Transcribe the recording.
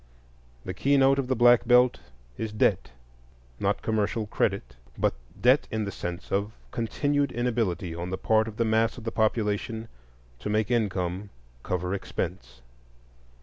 The keynote of the Black Belt is debt; not commercial credit, but debt in the sense of continued inability on the part of the mass of the population to make income cover expense.